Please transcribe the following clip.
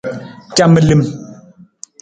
Camilim.